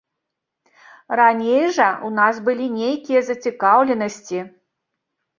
Раней жа ў нас былі нейкія зацікаўленасці.